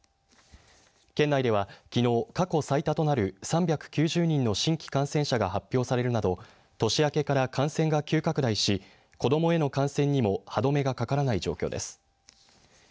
県内では、きのう過去最多となる３９０人の新規感染者が発表されるなど年明けから感染が急拡大し子どもへの感染にも歯止めがかからない状況です。